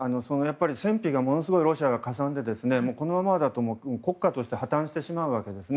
戦費がものすごくロシアがかさんでこのままだと国家として破綻してしまうわけです。